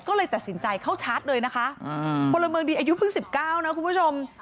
ก็เลยตัดสินใจเข้าชาร์จเลยนะคะอืมพลเมิงดีอายุพึ่งสิบเก้านะคุณผู้ชม